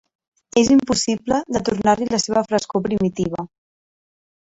És impossible de tornar-li la seva frescor primitiva.